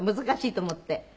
難しいと思って。